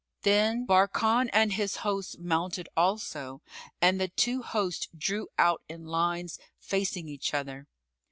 Then Barkan and his host mounted also and the two hosts drew out in lines facing each other.